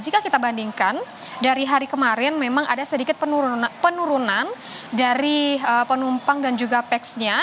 jika kita bandingkan dari hari kemarin memang ada sedikit penurunan dari penumpang dan juga pex nya